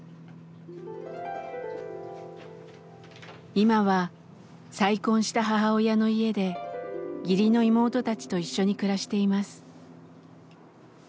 今は再婚した母親の家で義理の妹たちと一緒に暮らしています。